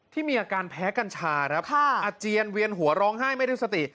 ที่มีอาการแพ้กัญชาครับอาเจียนเวียนหัวร้องไห้ไม่ได้สติ